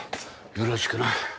よろしくな。